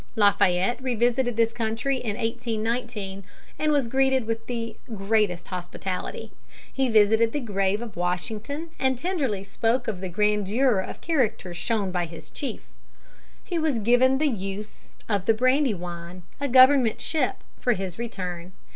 Lafayette revisited this country in 1819, and was greeted with the greatest hospitality. He visited the grave of Washington, and tenderly spoke of the grandeur of character shown by his chief. He was given the use of the Brandywine, a government ship, for his return.